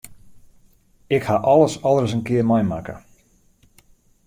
Ik haw alles al ris in kear meimakke.